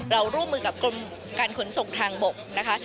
ร่วมมือกับกรมการขนส่งทางบกนะคะ